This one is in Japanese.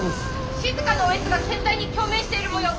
「しずかのおえつが船体に共鳴しているもよう。